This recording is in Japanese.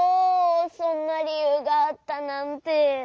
そんなりゆうがあったなんて。